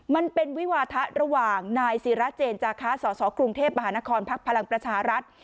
มันเป็นวิวาทะระหว่างนายศิราเจนจาคะสสกรุงเทพมหานครพักพลังประชารัฐ